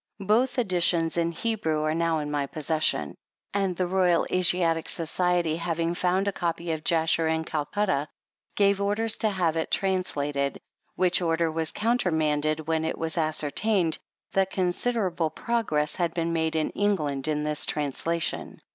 Both editions, in Hebrew, are now in my possession ; and the Royal Asi atic Society, having found a copy of Jasher in Calcutta, gave orders to have it translated, which order was countermanded when it was ascer tained that considerable progress had been made in England in this trans lation.